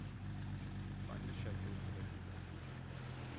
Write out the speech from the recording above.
Find the schedule for The Kentuckians.